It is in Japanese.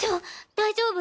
大丈夫！？